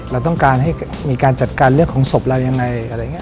เราต้องการให้มีการจัดการเรื่องของสบเราอย่างไร